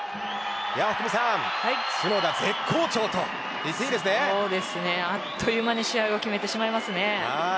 福見さんあっという間に試合を決めてしまいますね。